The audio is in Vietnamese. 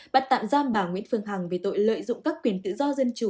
bắt tạm giam bà nguyễn phương hằng về tội lợi dụng các quyền tự do dân chủ